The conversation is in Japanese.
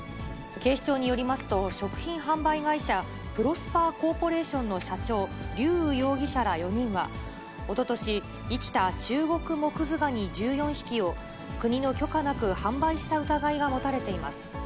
警視庁によりますと、食品販売会社、プロスパーコーポレーションの社長、劉禹容疑者らら４人は、おととし、生きたチュウゴクモクズガニ１４匹を、国の許可なく販売した疑いが持たれています。